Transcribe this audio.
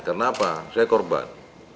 kenapa saya korban